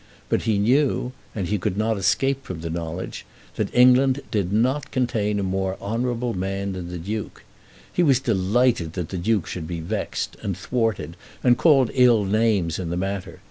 But he knew, and he could not escape from the knowledge, that England did not contain a more honourable man than the Duke. He was delighted that the Duke should be vexed, and thwarted, and called ill names in the matter.